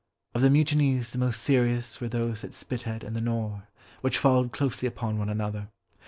Of the mutinies the most serious were those at Spithead and the Nore, which followed closely upon one another.